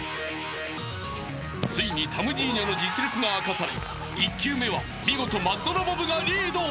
［ついにタムジーニョの実力が明かされ１球目は見事ＭＡＤロボ部がリード］